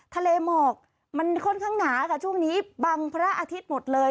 ทะเลหมอกมันค่อนข้างหนาค่ะช่วงนี้บังพระอาทิตย์หมดเลย